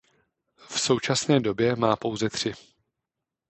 V současné době má pouze tři.